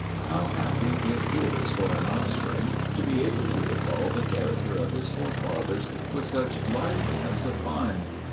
How happy it is for an offspring to be able to recall the character of his forefathers with such liveliness of mind!